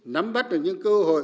nắm bắt được những cơ hội